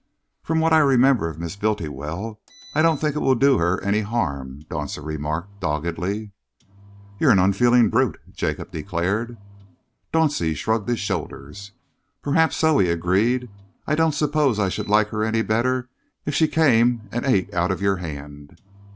"From what I remember of Miss Bultiwell, I don't think it will do her any harm," Dauncey remarked doggedly. "You're an unfeeling brute," Jacob declared. Dauncey shrugged his shoulders. "Perhaps so," he agreed. "I don't suppose I should like her any better if she came and ate out of your hand."